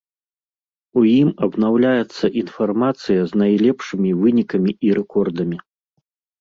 У ім абнаўляецца інфармацыя з найлепшымі вынікамі і рэкордамі.